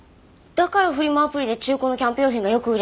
だからフリマアプリで中古のキャンプ用品がよく売れるんですね。